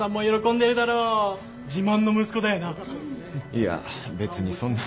いや別にそんな。